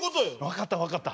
分かった分かった。